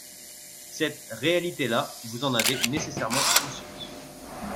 Cette réalité-là, vous en avez nécessairement conscience.